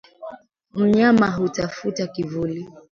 Mnyama hutafuta kivuli